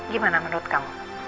gimana menurut kamu